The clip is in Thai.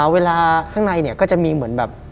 เวลาข้างในเนี่ยก็จะมีเหมือนแบบ